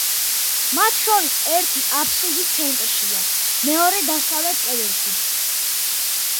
მათ შორის ერთი აფსიდის ცენტრშია, მეორე დასავლეთ კედელში.